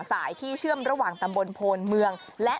สายที่เชื่อมระหว่างตำบลโพนเมืองและ